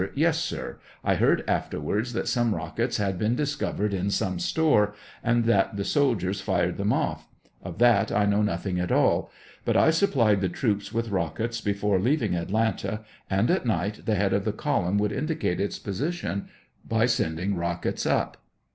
Yes, sir ; I heard afterwards that some rockets had been discovered in some store, and that the soU diers fired them off; of that I know nothing at all, but I supplied the troops with rockets before leaving Atlanta, and at night the head of the column would indicate its position by sending rockets up.